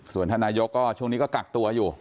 ส่วนท่านนายกก็ช่วงนี้ก็กักตัวอยู่